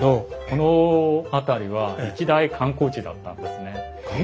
この辺りは一大観光地だったんですね。